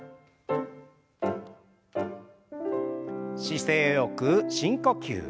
姿勢よく深呼吸。